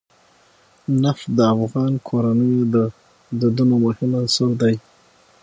نفت د افغان کورنیو د دودونو مهم عنصر دی.